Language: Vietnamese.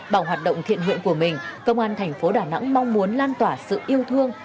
bằng hoạt động thiện nguyện của mình công an thành phố đà nẵng mong muốn lan tỏa sự yêu thương